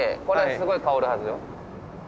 これはすごい香るはずよ。